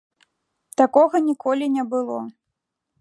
Такога ніколі не было.